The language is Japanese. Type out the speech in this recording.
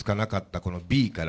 このＢから、